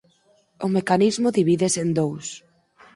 O mecanismo divídese en dous.